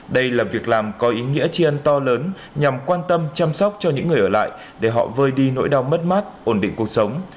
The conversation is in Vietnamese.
đây là việc làm có ý nghĩa tri ân to lớn nhằm quan tâm chăm sóc cho những người ở lại để họ vơi đi nỗi đau mất mát ổn định cuộc sống